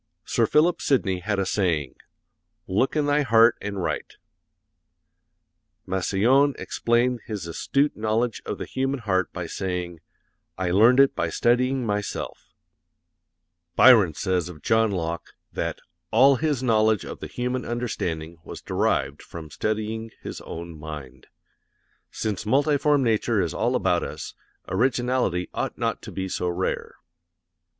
Sir Philip Sidney had a saying, 'Look in thy heart and write;' Massillon explained his astute knowledge of the human heart by saying, 'I learned it by studying myself;' Byron says of John Locke that 'all his knowledge of the human understanding was derived from studying his own mind.' Since multiform nature is all about us, originality ought not to be so rare."